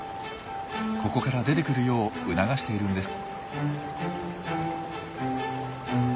ここから出てくるよう促しているんです。